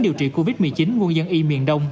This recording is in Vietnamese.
điều trị covid một mươi chín quân dân y miền đông